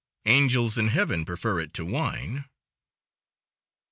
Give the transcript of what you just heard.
Angels in heaven Prefer it to wine.